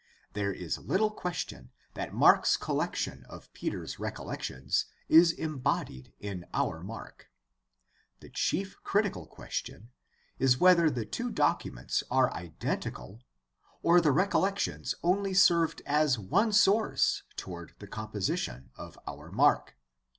There is little question that Mark's collection of Peter's recollections is embodied in our Mark. The chief critical question is whether the two documents are identical or the recollections only served as one source toward the com position of our Mark.